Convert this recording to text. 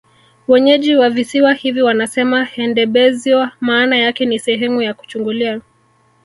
Wenyeji wa Visiwa hivi wanasema Handebezyo maana yake ni Sehemu ya kuchungulia